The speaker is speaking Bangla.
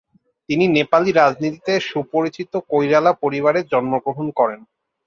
তিনি নেপালি রাজনীতিতে সুপরিচিত কৈরালা পরিবারে জন্মগ্রহণ করেন।